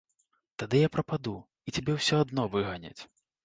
Тады я прападу, і цябе ўсё адно выганяць.